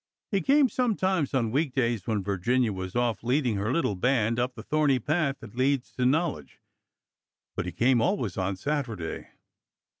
He came sometimes on week days, when Virginia was off leading her little band up the thorny path that leads to know ledge, but he came always on Saturday.